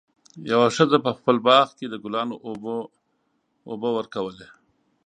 یوه ښځه په خپل باغ کې د ګلانو اوبه ورکولې.